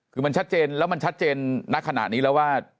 คือมันชัดเจนแล้วมันชัดเจนนักขณะนี้แล้วว่า